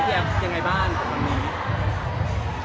พี่แอฟยังไงบ้างกับวันนี้